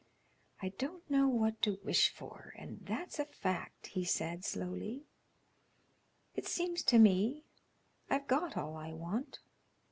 "I don't know what to wish for, and that's a fact," he said, slowly. "It seems to me I've got all I want."